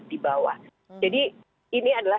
di bawah jadi ini adalah